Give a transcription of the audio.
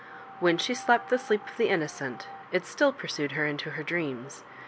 When she slept the sleep of the innocent, it still pursued her into her dreams.